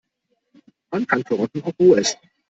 Man kann Karotten auch roh essen.